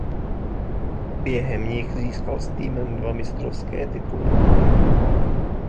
Během nich získal s týmem dva mistrovské tituly.